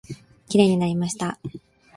きれいになりました。